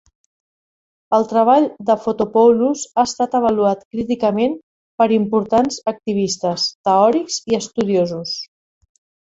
El treball de Fotopoulos ha estat avaluat críticament per importants activistes, teòrics i estudiosos.